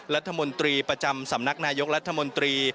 รัฐมนตรีประจำสำนักนายกรัฐมนตรี